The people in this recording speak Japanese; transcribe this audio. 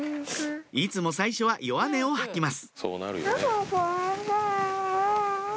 いつも最初は弱音を吐きます